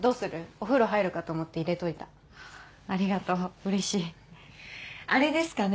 お風呂入るかと思って入れといたありがとううれしいあれですかね？